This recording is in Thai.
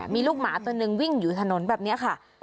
มีลูกหมาตัวหนึ่งวิ่งอยู่ถนนแบบนี้ค่ะ